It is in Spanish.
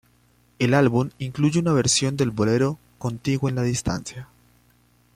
El álbum incluye una versión del bolero "Contigo en la Distancia".